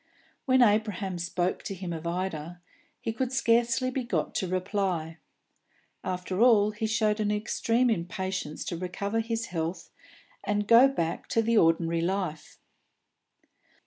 When Abraham spoke to him of Ida, he could scarcely be got to reply. Above all, he showed an extreme impatience to recover his health and go back to the ordinary life.